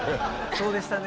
そうでしたね。